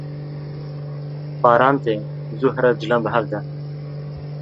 Baran tê zû here cilan bihevde.